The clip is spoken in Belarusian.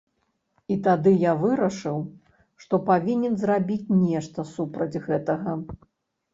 І тады я вырашыў, што павінен зрабіць нешта супраць гэтага.